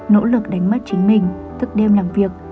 nỗ lực đánh mất chính mình thức đêm làm việc